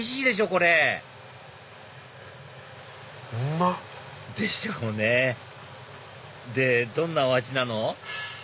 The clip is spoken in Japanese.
これうまっ！でしょうねでどんなお味なの？